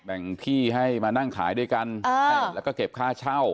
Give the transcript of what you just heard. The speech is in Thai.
แบ่งที่ให้มานั่งขายด้วยกันใช่แล้วก็เก็บค่าเช่า